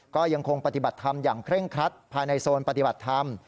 ก็ยังคงปฏิบัติธรรมอย่างเคร่งครัดภายในโซนปฏิบัติธรรม